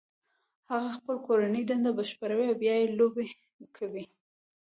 هغه خپل کورنۍ دنده بشپړوي او بیا لوبې کوي